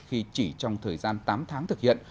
khi chỉ trong thời gian tám tháng thực hiện